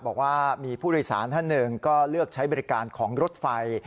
บอกว่ามีผู้โดยสารท่านหนึ่งก็เลือกใช้บริการของรถไฟ